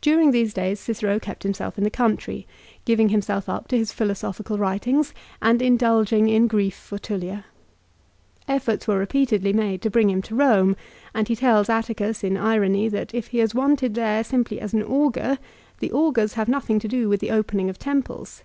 During these days Cicero kept himself in the country, giving himself up to his philosophical writings, and in dulging in grief for Tullia. Efforts were repeatedly made to bring him to Eome, and he tells Atticus in irony that if he is wanted there simply as an augur, the augurs have nothing to do with the opening of temples.